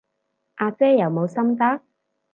阿姐有冇心得？